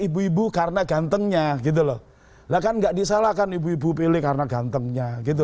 ibu ibu karena gantengnya gitu loh lah kan nggak disalahkan ibu ibu pilih karena gantengnya gitu